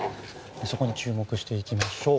そこに注目していきましょう。